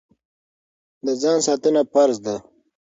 د ځان ساتنه فرض ده.